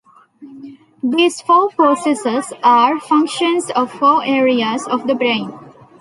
These four processes are functions of four areas of the brain.